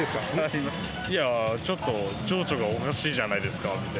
いやー、ちょっと、情緒がおかしいじゃないですかって。